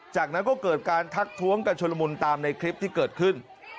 จากนั้นก็เกิดการทักท้วงกันชนละมุนตามในคลิปที่เกิดขึ้น